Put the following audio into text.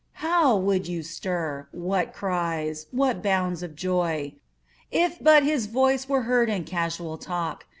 How would you stir, what cries, what bounds of joy. If but his voice were heard in casual talk.